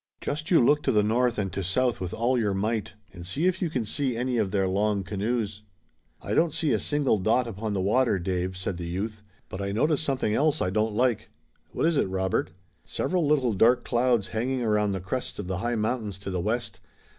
Just you look to the north and to south with all your might, and see if you can see any of their long canoes." "I don't see a single dot upon the water, Dave," said the youth, "but I notice something else I don't like." "What is it, Robert?" "Several little dark clouds hanging around the crests of the high mountains to the west.